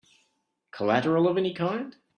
Collateral of any kind?